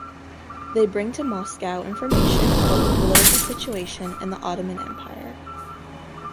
They bring to Moscow information about the political situation in the Ottoman Empire.